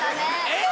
えっ？